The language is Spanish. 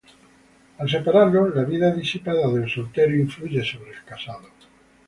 Al separarlos, la vida disipada del soltero influye sobre el casado.